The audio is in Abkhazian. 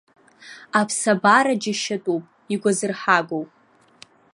Аԥсабара џьашьатәуп, игәазырҳагоуп.